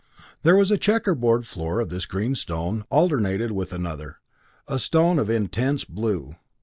There was a checker board floor of this green stone, alternated with another, a stone of intense blue.